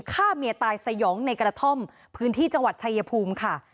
ฆ่าเมียตายสยองในกระท่อมพื้นที่จังหวัดชายภูมิค่ะ